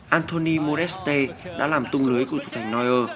anthony modeste đã làm tung lưới của thủ thành neuer